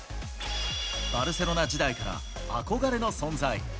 バルセロナ時代から憧れの存在。